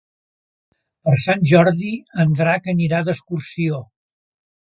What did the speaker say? Per Sant Jordi en Drac anirà d'excursió.